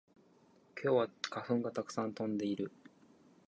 今日は花粉がたくさん飛んでいる